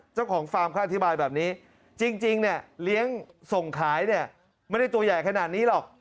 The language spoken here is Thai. ฟาร์มเขาอธิบายแบบนี้จริงเนี่ยเลี้ยงส่งขายเนี่ยไม่ได้ตัวใหญ่ขนาดนี้หรอก